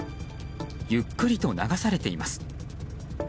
ゆっくりと流されています。